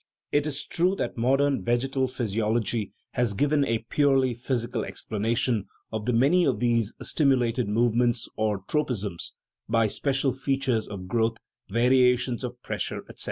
It is true that modern vegetal physiology has given a purely physical explanation of many of these stimu lated movements, or tropisms, by special features of growth, variations of pressure, etc.